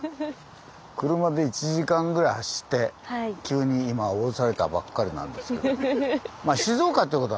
車で１時間ぐらい走って急に今降ろされたばっかりなんですけど。